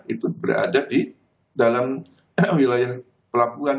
itu berada di dalam wilayah pelabuhan